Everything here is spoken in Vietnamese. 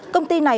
công ty này